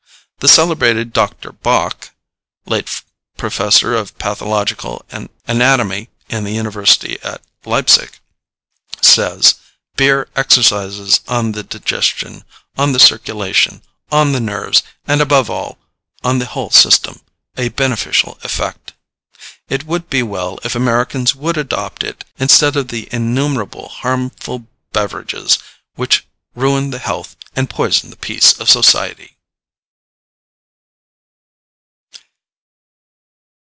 The celebrated Dr. Bock (late professor of pathological anatomy in the university at Leipsic) says, "Beer exercises on the digestion, on the circulation, on the nerves, and above all on the whole system, a beneficial effect."[F] It would be well if Americans would adopt it instead of the innumerable harmful beverages which ruin the health and poison the peace of society.